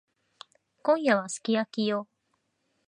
今夜はすき焼きよ。